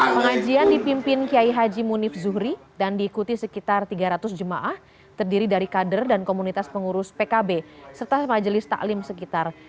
pengajian dipimpin kiai haji munif zuhri dan diikuti sekitar tiga ratus jemaah terdiri dari kader dan komunitas pengurus pkb serta majelis taklim sekitar